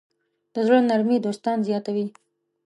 د زړۀ نرمي دوستان زیاتوي.